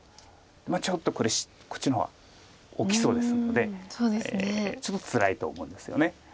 ちょっとこれこっちの方が大きそうですのでちょっとつらいと思うんですよね。